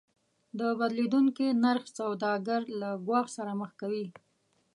د بدلیدونکي نرخ سوداګر له ګواښ سره مخ کوي.